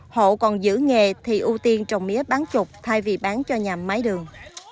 hộ còn giữ nghề thì ưu tiên trồng mía bán trục thay vì bán cho nhà máy đường